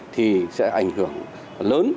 thì sẽ ảnh hưởng lớn